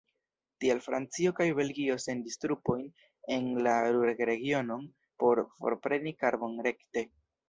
Tial Francio kaj Belgio sendis trupojn en la Ruhr-regionon por forpreni karbon rekte.